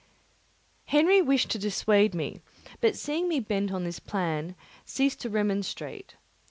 Henry wished to dissuade me, but seeing me bent on this plan, ceased to remonstrate.